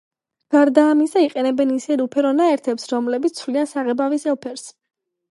გარდა ამისა იყენებენ ისეთ უფერო ნაერთებს, რომლებიც ცვლიან საღებავის ელფერს.